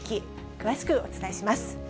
詳しくお伝えします。